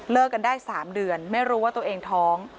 กันได้๓เดือนไม่รู้ว่าตัวเองท้อง